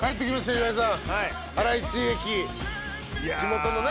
岩井さん。